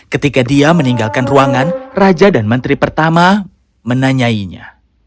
ketika dia meninggalkan ruangan raja dan menteri pertama menanyainya